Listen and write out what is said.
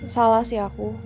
salah sih aku